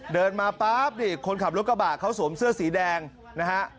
เดินมาปั๊บนี่คนขับรถกระบะเขาสวมเสื้อสีแดงนะฮะ